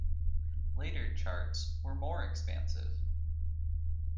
Later charts were more expansive.